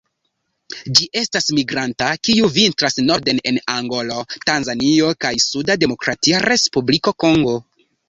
Ĝi estas migranta kiu vintras norden en Angolo, Tanzanio kaj suda Demokratia Respubliko Kongo.